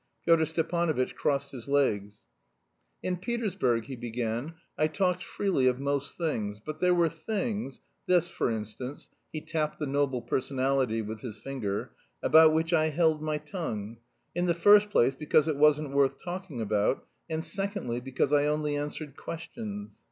Pyotr Stepanovitch crossed his legs. "In Petersburg," he began, "I talked freely of most things, but there were things this, for instance" (he tapped the "Noble Personality" with his finger) "about which I held my tongue in the first place, because it wasn't worth talking about, and secondly, because I only answered questions.